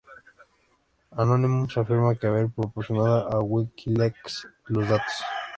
Anonymous afirma haber proporcionado a Wikileaks los datos.